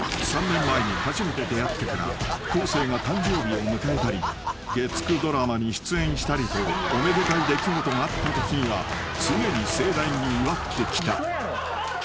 ［３年前に初めて出会ってから昴生が誕生日を迎えたり月９ドラマに出演したりとおめでたい出来事があったときには常に盛大に祝ってきた］